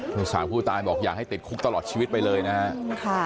พลสารผู้ตายบอกอย่างให้ติดคุกตลอดชีวิตไปเลยนะอ่ะอืมค่ะ